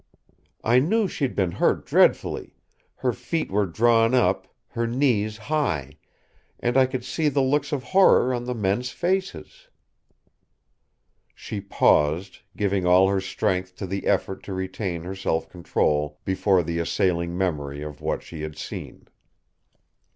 "I knew she'd been hurt dreadfully; her feet were drawn up, her knees high; and I could see the looks of horror on the men's faces." She paused, giving all her strength to the effort to retain her self control before the assailing memory of what she had seen.